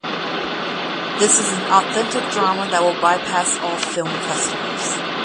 This is an authentic drama that will bypass all film festivals.